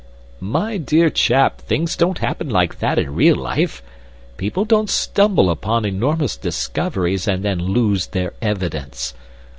"My dear chap, things don't happen like that in real life. People don't stumble upon enormous discoveries and then lose their evidence.